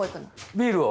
ビールを。